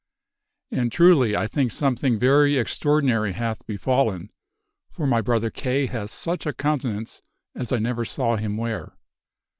And, truly, I think something very extraordinary hath befallen, for my brother Kay hath such a countenance as I never saw him wear."